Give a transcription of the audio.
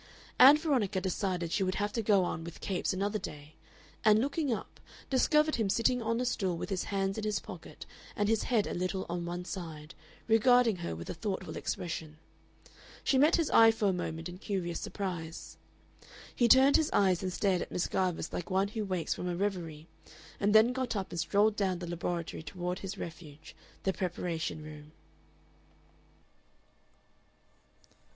Ann Veronica decided she would have to go on with Capes another day, and, looking up, discovered him sitting on a stool with his hands in his pockets and his head a little on one side, regarding her with a thoughtful expression. She met his eye for a moment in curious surprise. He turned his eyes and stared at Miss Garvice like one who wakes from a reverie, and then got up and strolled down the laboratory toward his refuge, the preparation room.